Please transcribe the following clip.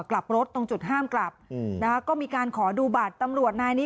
กลับรถตรงจุดห้ามกลับนะคะก็มีการขอดูบัตรตำรวจนายนี้